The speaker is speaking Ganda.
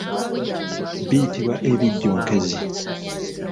Biyitibwa ebijjonkezi.